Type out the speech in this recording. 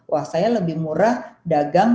wah saya lebih murah dagang